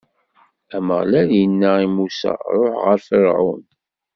Ameɣlal inna-d i Musa: Ṛuḥ ɣer Ferɛun.